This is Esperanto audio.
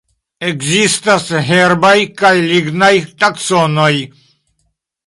Ekzistas herbaj kaj lignaj taksonoj.